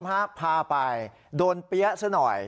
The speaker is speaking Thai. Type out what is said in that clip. พาไปโดนเปี๊ยะซะหน่อย